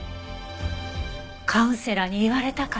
カウンセラーに言われたから。